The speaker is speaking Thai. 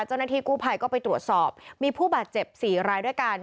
เจ้าหน้าที่กู้ภัยก็ไปตรวจสอบมีผู้บาดเจ็บ๔รายด้วยกัน